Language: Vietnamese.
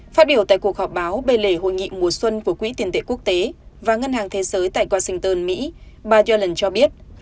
phát biểu tại cuộc họp báo bên lề hội nghị mùa xuân của quỹ tiền tệ quốc tế và ngân hàng thế giới tại washington mỹ bà yellen cho biết